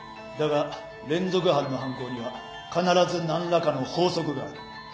だが連続犯の犯行には必ず何らかの法則がある。